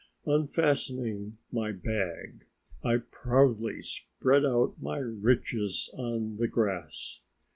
Unfastening my bag, I proudly spread out my riches on the grass.